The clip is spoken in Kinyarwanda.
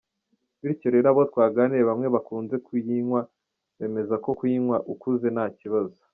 Bityo rero abo Twaganiriye bamwe bakunze kuyinywa bemeza ko kuyinywa ukuze nta kibazo.